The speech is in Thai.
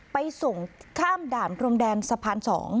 ไปส่งข้ามด่านพรมแดนสะพาน๒